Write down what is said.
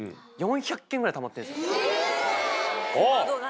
え！